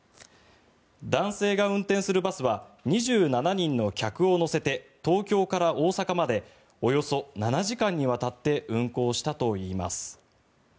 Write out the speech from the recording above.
男性が運転するバスは２７人の客を乗せて東京から大阪までおよそ７時間にわたって運行したといいます。